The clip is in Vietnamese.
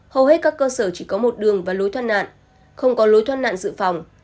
hầu hết các cơ sở chỉ có một đường và lối thoát nạn không có lối thoát nạn dự phòng